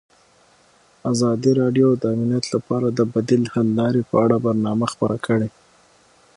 ازادي راډیو د امنیت لپاره د بدیل حل لارې په اړه برنامه خپاره کړې.